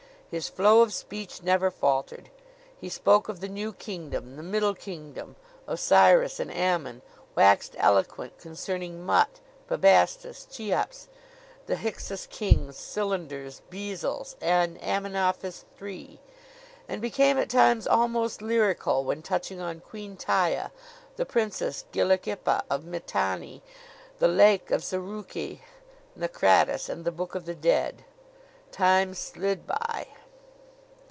His flow of speech never faltered. He spoke of the New Kingdom, the Middle Kingdom, Osiris and Ammon; waxed eloquent concerning Mut, Bubastis, Cheops, the Hyksos kings, cylinders, bezels and Amenophis III; and became at times almost lyrical when touching on Queen Taia, the Princess Gilukhipa of Mitanni, the lake of Zarukhe, Naucratis and the Book of the Dead. Time slid by.